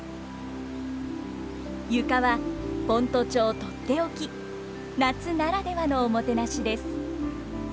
床は先斗町取って置き夏ならではのおもてなしです。